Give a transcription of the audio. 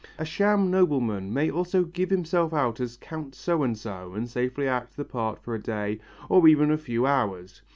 A sham nobleman may also give himself out as Count So and so and safely act the part for a day or even a few hours.